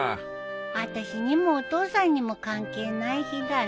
あたしにもお父さんにも関係ない日だね。